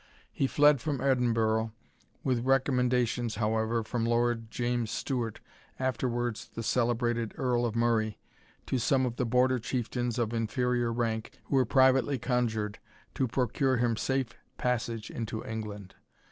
He fled from Edinburgh, with recommendations, however, from Lord James Stewart, afterwards the celebrated Earl of Murray, to some of the Border chieftains of inferior rank, who were privately conjured to procure him safe passage into England.